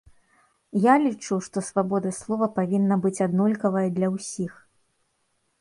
Я лічу, што свабода слова павінна быць аднолькавая для ўсіх.